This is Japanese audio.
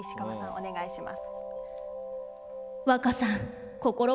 お願いします。